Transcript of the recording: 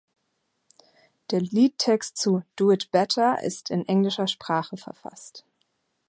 Der Liedtext zu "Do It Better" ist in englischer Sprache verfasst.